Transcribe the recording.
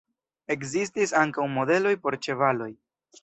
Ekzistis ankaŭ modeloj por ĉevaloj.